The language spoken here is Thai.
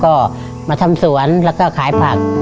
ก็มาทำสวนแล้วก็ขายผัก